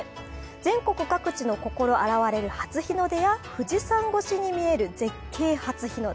全国各地の心洗われる初日の出や富士山越しに見える絶景初日の出。